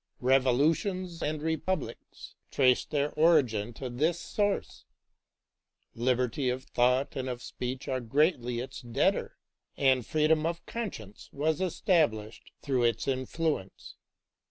Revolutions and republics trace their origin to this source ; liberty of thought and of speech are greatly its debtor, and freedom of conscience was established through its influence.